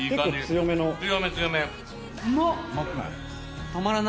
強め強め。